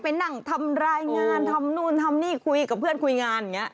ไปนั่งทำรายงานทำนู่นทำนี่คุยกับเพื่อนคุยงานอย่างนี้